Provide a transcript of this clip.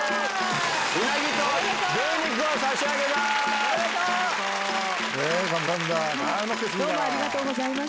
うなぎと牛肉を差し上げます。